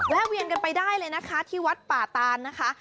แวนกันไปได้เลยนะคะที่วัดป่าตานนะคะ